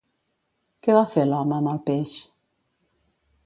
Què va fer l'home amb el peix?